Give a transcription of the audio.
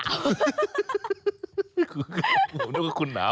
ผมเรียกว่าคุณหนาว